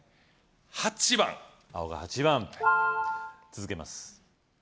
８番青が８番続けます